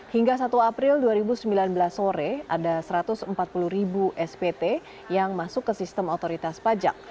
hingga satu april dua ribu sembilan belas sore ada satu ratus empat puluh ribu spt yang masuk ke sistem otoritas pajak